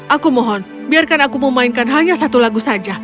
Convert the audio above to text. aku mohon biarkan aku memainkan hanya satu lagu saja